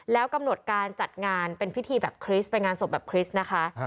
แล้วกำหนดการจัดงานเป็นพิธีแบบคริสต์เป็นงานศพแบบคริสต์นะคะ